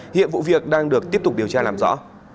hiện vụ việc đang được tiếp tục điều tra làm rõ